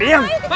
eh udah diem